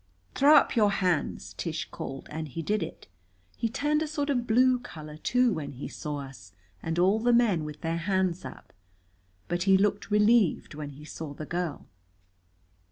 "Throw up your hands!" Tish called. And he did it. He turned a sort of blue color, too, when he saw us, and all the men with their hands up. But he looked relieved when he saw the girl.